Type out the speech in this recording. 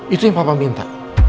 itu yang papa minta